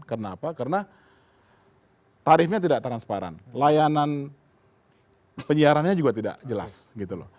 kenapa karena tarifnya tidak transparan layanan penyiarannya juga tidak jelas gitu loh